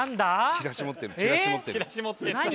チラシ持ってる。